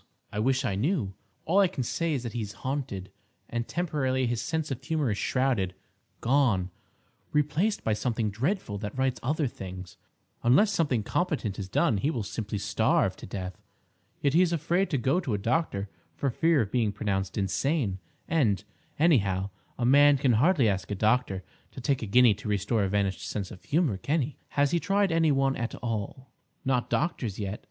"I wish I knew. All I can say is that he is haunted, and temporarily his sense of humour is shrouded—gone—replaced by something dreadful that writes other things. Unless something competent is done, he will simply starve to death. Yet he is afraid to go to a doctor for fear of being pronounced insane; and, anyhow, a man can hardly ask a doctor to take a guinea to restore a vanished sense of humour, can he?" "Has he tried any one at all—?" "Not doctors yet.